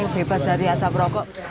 bebas dari asap rokok